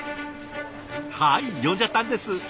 はい呼んじゃったんです。